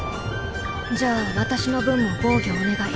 じゃあ私の分も防御お願い。